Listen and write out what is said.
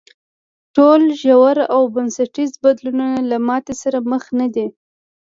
ټول ژور او بنسټیز بدلونونه له ماتې سره مخ نه دي.